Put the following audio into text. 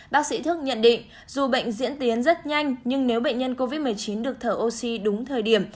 bác sĩ thức nhận định dù bệnh diễn tiến rất nhanh nhưng nếu bệnh nhân covid một mươi chín được thở oxy đúng thời điểm